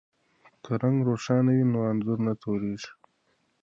که رنګ روښانه وي نو انځور نه توریږي.